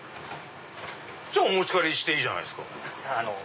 じゃあお持ち帰りしていいじゃないですか。